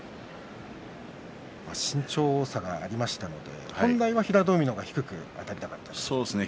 身長差がありましたので本来は平戸海の方が低くあたりたかったんですね。